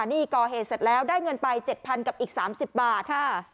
นี่ก่อเหตุเสร็จแล้วได้เงินไป๗๐๐กับอีก๓๐บาท